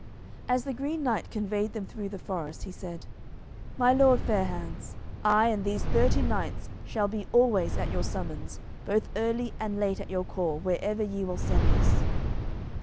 As the Green Knight conveyed them through the forest he said, "My lord Fair hands, I and these thirty knights shall be always at your summons, both early and late at your call wherever ye will send us."